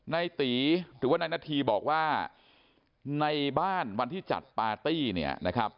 ในหน้าทีบอกว่าในบ้านวันที่จัดปาร์ตี้